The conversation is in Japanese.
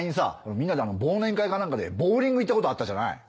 みんなで忘年会か何かでボウリング行ったことあったじゃない。